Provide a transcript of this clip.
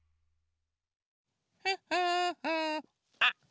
あっ！